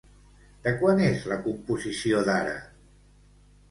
De quan és la composició d'ara?